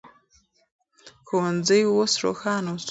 ښوونځي اوس روښانه اصول لري.